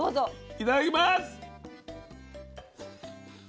いただきます。